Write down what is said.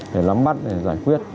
để lắm mắt để giải quyết